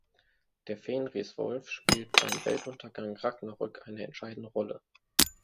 Der Fenriswolf spielt beim Weltuntergang Ragnarök eine entscheidende Rolle.